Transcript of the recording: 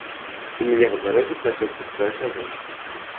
У меня в огороде пасётся своя коза.